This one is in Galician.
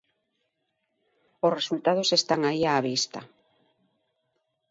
Os resultados están aí á vista.